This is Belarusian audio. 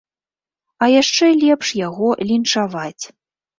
А яшчэ лепш яго лінчаваць.